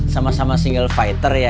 sama sama single fighter ya